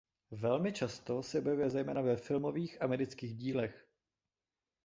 Velmi často se objevuje zejména ve filmových amerických dílech.